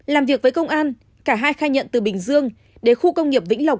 làm việc với công an cả hai khai nhận từ bình dương đến khu công nghiệp vĩnh lộc